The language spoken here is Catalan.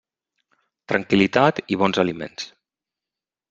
Tranquil·litat i bons aliments.